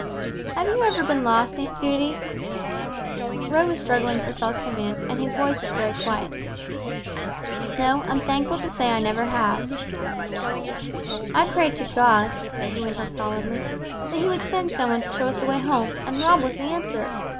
"Have you ever been lost, Aunt Judy?" Roy was struggling for self command, and his voice was very quiet. "No, I'm thankful to say I never have." "I prayed to God," he went on solemnly; "that He would send some one to show us the way home, and Rob was the answer.